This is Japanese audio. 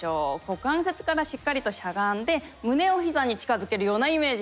股関節からしっかりとしゃがんで胸を膝に近づけるようなイメージで。